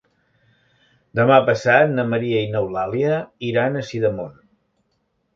Demà passat na Maria i n'Eulàlia iran a Sidamon.